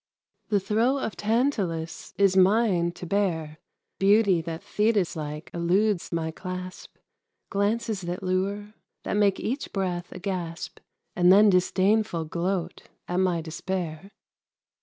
The throe of Tantalus is mine to bear, Beauty that Thetis like eludes my clasp; Glances that lure, that make each breath a gasp, And then disdainful gloat at my despair.